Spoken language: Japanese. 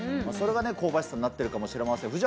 それが香ばしさになっているかもしれません。